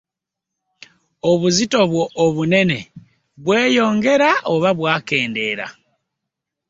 Obuzito bwo (obunene) bweyongera oba bwakendeera?